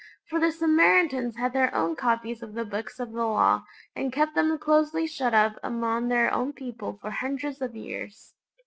For the Samaritans had their own copies of the Books of the Law, and kept them closely shut up among their own people for hundreds of years.